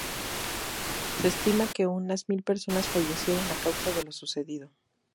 Se estima que unas mil personas fallecieron a causa de lo sucedido.